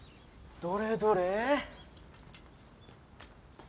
どれどれ。